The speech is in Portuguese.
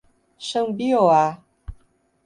Xambioá